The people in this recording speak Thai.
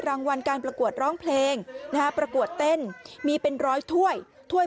รางวัลการประกวดร้องเพลงนะฮะประกวดเต้นมีเป็นร้อยถ้วยถ้วย